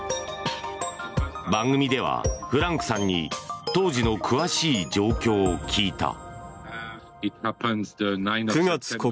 番組では、フランクさんに当時の詳しい状況を聞いた。